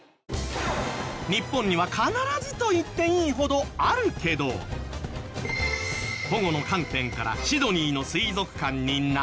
日本には必ずといっていいほどあるけど保護の観点からシドニーの水族館にないもの。